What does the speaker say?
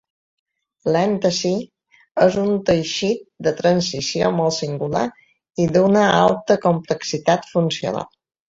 L'èntesi és un teixit de transició molt singular i d'una alta complexitat funcional.